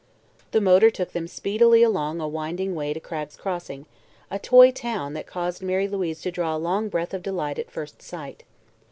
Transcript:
The motor took them speedily along a winding way to Cragg's Crossing, a toy town that caused Mary Louise to draw a long breath of delight at first sight.